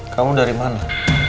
kamu dari mana